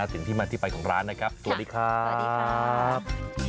สิ่งที่มันที่ไปของร้านนะครับสวัสดีครับ